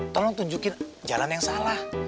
tolong tunjukin jalan yang salah